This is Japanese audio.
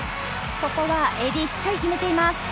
ここはＡＤしっかり決めています。